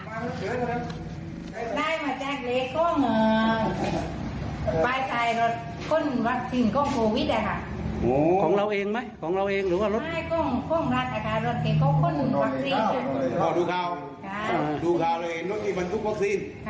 ต้นทุกคนวัคซีนดูข้าวเลยนั่นที่บันทึกวัคซีน